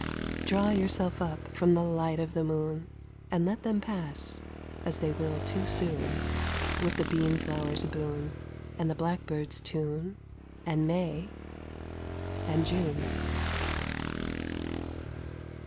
Draw yourself up from the light of the moon, And let them pass, as they will too soon, 10 With the beanflowers' boon, And the blackbird's tune, And May, and June!